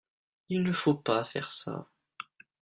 Il ne faut pas faire ça.